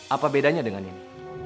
apa bedanya dengan ini